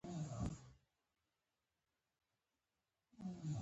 که مبالغه ونه کړم، دا تر ما او بصیر ډېره تلوسه لري.